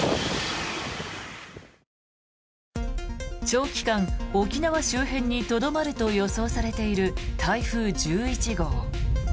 長期間、沖縄周辺にとどまると予想されている台風１１号。